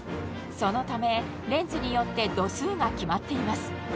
そのためレンズによって度数が決まっています